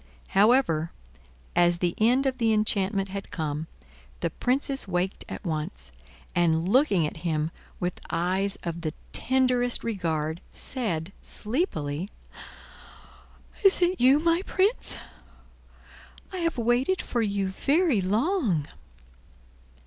However, as the end of the enchantment had come, the Princess waked at once, and, looking at him with eyes of the tenderest regard, said, sleepily: "Is it you, my Prince? I have waited for you very long."